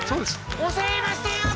押さえました！